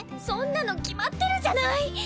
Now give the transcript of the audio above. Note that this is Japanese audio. そんなの決まってるじゃない！